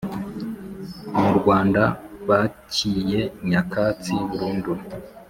Mu Rwanda bacyiye nyakatsi burundu